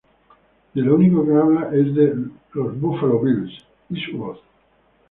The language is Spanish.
De lo único que habla es de los Buffalo Bills, ¿y su voz?